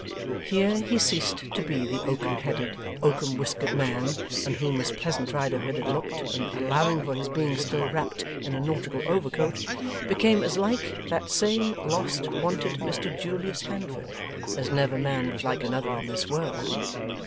Here he ceased to be the oakum headed, oakum whiskered man on whom Miss Pleasant Riderhood had looked, and, allowing for his being still wrapped in a nautical overcoat, became as like that same lost wanted Mr Julius Handford, as never man was like another in this world.